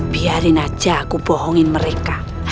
biarin aja aku bohongin mereka